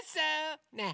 ねえ